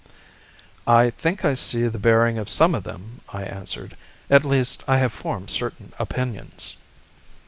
"I think I see the bearing of some of them," I answered; "at least, I have formed certain opinions."